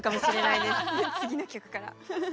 次の曲から。